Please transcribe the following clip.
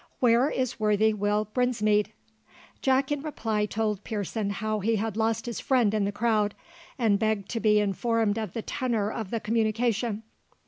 Where is worthy Will Brinsmead?" Jack in reply told Pearson how he had lost his friend in the crowd, and begged to be informed of the tenour of the communication.